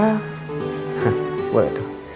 hah boleh tuh